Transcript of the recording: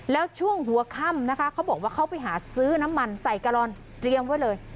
แล้วช่วงหัวค่ำนะคะเขาบอกว่าเขาไปหาซื้อน้ำมันใส่กะลอนเตรียมไว้เลย